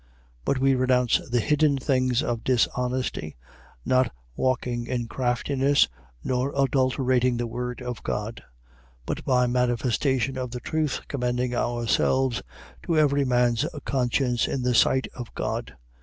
4:2. But we renounce the hidden things of dishonesty, not walking in craftiness nor adulterating the word of God: but by manifestation of the truth commending ourselves to every man's conscience, in the sight of God.